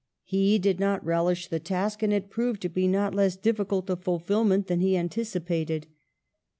He did not relish the task, and it proved to be not less difficult of fulfilment than he anticipated.